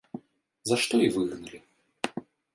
За што і выгналі.